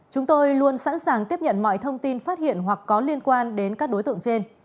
chúng tôi luôn sẵn sàng tiếp nhận mọi thông tin phát hiện hoặc có liên quan đến các đối tượng trên